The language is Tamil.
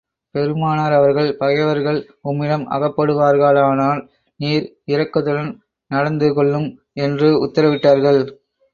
பெருமானார் அவர்கள், பகைவர்கள் உம்மிடம் அகப்படுவார்களானால், நீர் இரக்கத்துடன் நடந்து கொள்ளும் என்று உத்தரவிட்டார்கள்.